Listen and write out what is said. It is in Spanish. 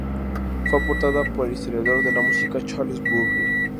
Fue aportada por el historiador de la música, Charles Burney.